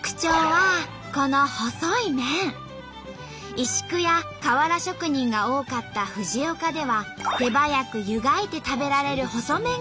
石工や瓦職人が多かった藤岡では手早く湯がいて食べられる細麺が重宝され根づいたんだって！